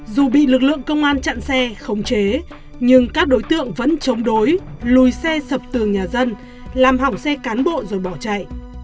dù bị lực lượng công an chặn xe khống chế nhưng các đối tượng vẫn chống đối lùi xe sập tường nhà dân làm hỏng xe cán bộ rồi bỏ chạy